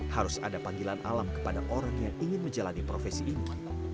harus ada panggilan alam kepada orang yang ingin menjalani profesi ini